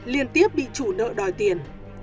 liên tiếp bị chủ nợ đòi tiền